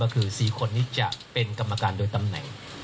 ก็คือ๔คนนี้จะเป็นกรรมการโดยตำแหน่ง